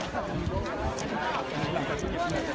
ก็ไม่มีใครกลับมาเมื่อเวลาอาทิตย์เกิดขึ้น